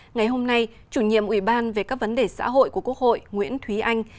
ngày hôm nay chủ nhiệm ủy ban về các vấn đề xã hội của quốc hội nguyễn thúy anh